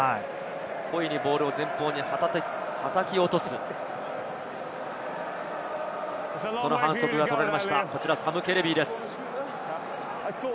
故意にボールを前方にはたき落とす、その反則が取られました、サム・ケレビです。